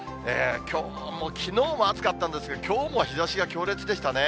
きのうも暑かったんですが、きょうも日ざしが強烈でしたね。